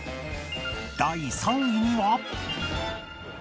第３位には